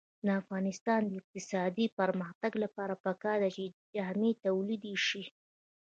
د افغانستان د اقتصادي پرمختګ لپاره پکار ده چې جامې تولید شي.